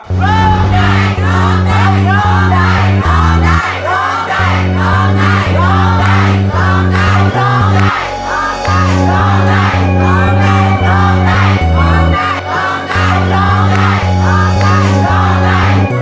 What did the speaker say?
ร้องได้ร้องได้